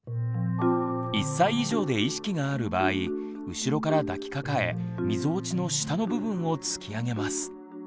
１歳以上で意識がある場合後ろから抱きかかえみぞおちの下の部分を突き上げます。